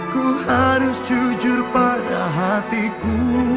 ku harus jujur pada hatiku